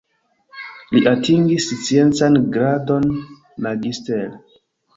Li atingis sciencan gradon "magister".